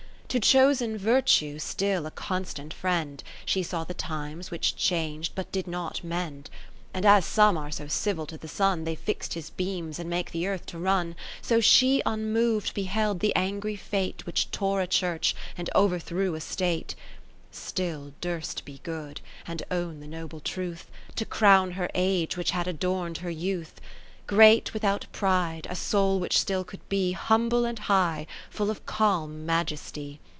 To chosen Virtue still a constant friend. She saw the times which chang'd, but did not metld. ^o And as some are so civil to the Sun, They'd fix his beams, and make the Earth to run : (560) So she unmov'd beheld the angry Fate Which tore a Church, and overthrew a State : Still durst be good, and own the noble truth. To crown her Age which had adorn'd her Youth. Great without pride, a soul which still could be Humble and high, full of calm majesty.